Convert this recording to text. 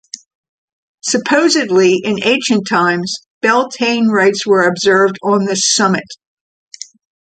Supposedly in ancient times, Beltane rites were observed on the summit.